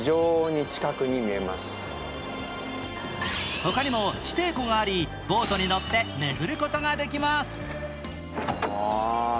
他にも地底湖がありボートに乗って巡ることができます。